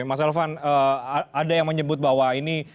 mas elvan ada yang menyebut bahwa ini